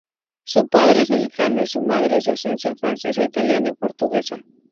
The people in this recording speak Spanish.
Su padre es mexicano y su madre es de ascendencia francesa, italiana y portuguesa.